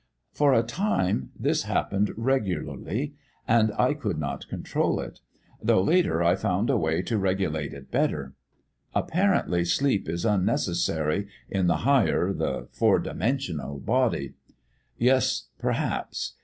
"For a time this happened regularly, and I could not control it; though later I found a way to regulate it better. Apparently sleep is unnecessary in the higher the four dimensional body. Yes, perhaps.